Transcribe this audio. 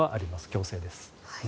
強制です。